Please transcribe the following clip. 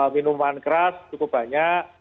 minuman keras cukup banyak